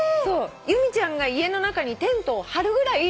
由美ちゃんが家の中にテントを張るぐらい。